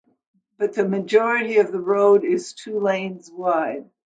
But the majority of the road is two lanes wide.